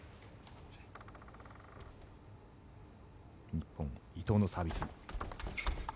日本、伊藤のサービス。